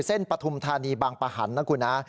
อีกก็คือเส้นปฐุมธานีบางประหันต์นะคุณนะ